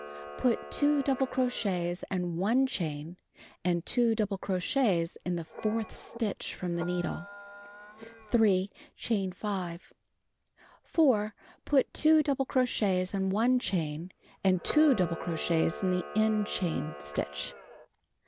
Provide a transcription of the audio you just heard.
Put 2 double crochets and 1 chain and 2 double crochets in the fourth stitch from the needle. 3. Chain 5. 4. Put 2 double crochets and 1 chain and 2 double crochets in the end chain stitch.